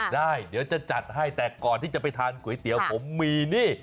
ได้เดี๋ยวจะจัดให้แต่ก่อนที่จะไปทานก๋วยเตี๋ยวผมมีนี่